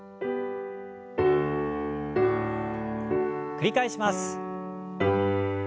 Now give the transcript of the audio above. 繰り返します。